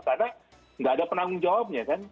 karena nggak ada penanggung jawabnya kan